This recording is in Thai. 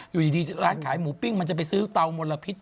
อยู่ดีร้านขายหมูปิ้งมันจะไปซื้อเตามลพิษ